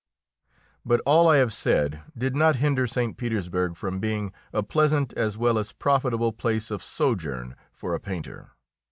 But all I have said did not hinder St. Petersburg from being a pleasant as well as profitable place of sojourn for a painter.